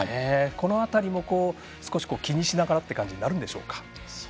この辺りも少し気にしながらになるんでしょうか。